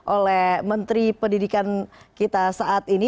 oleh menteri pendidikan kita saat ini